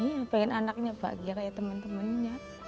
iya pengen anaknya bahagia kayak teman temannya